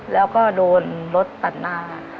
แล้วก็โดนรถตัดหน้า